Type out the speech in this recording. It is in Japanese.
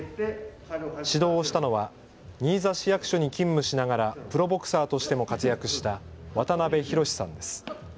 指導をしたのは新座市役所に勤務しながらプロボクサーとしても活躍した渡邉宏さんです。